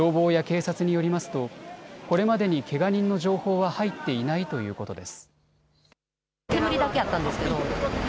消防や警察によりますとこれまでに、けが人の情報は入っていないということです。